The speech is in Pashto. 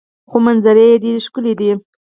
خو منظرې یې ډیرې ښکلې دي.